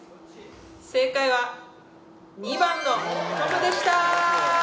正解は２番のトムでした。